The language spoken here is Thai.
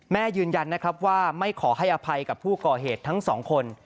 ยืนยันนะครับว่าไม่ขอให้อภัยกับผู้ก่อเหตุทั้งสองคน